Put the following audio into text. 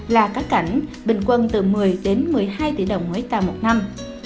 là cá cảnh bình quân từ một mươi một mươi hai tỷ đồng một ha một năm